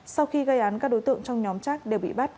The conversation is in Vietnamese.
sau khi gây án các đối tượng trong nhóm trác đều bị bắt